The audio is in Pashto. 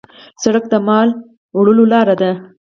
سړک د مال وړلو لار ده.